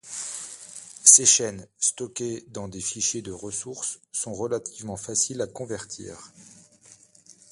Ces chaînes, stockées dans des fichiers de ressource, sont relativement faciles à convertir.